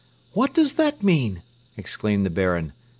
"What does that mean?" exclaimed the Baron.